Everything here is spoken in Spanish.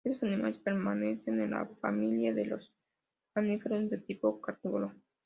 Estos animales pertenecen a la familia de los mamíferos de tipo carnívoro.